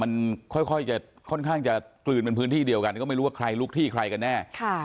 มันค่อยจะค่อนข้างจะกลืนเป็นพื้นที่เดียวกันก็ไม่รู้ว่าใครลุกที่ใครกันแน่